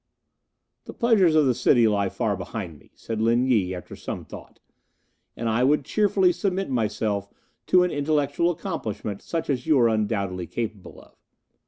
"The pleasures of the city lie far behind me," said Lin Yi, after some thought, "and I would cheerfully submit myself to an intellectual accomplishment such as you are undoubtedly capable of.